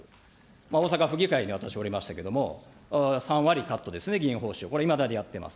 大阪府議会に私おりましたけれども、３割カットですね、議員報酬、これ、いまだにやってます。